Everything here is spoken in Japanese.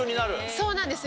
そうなんですよ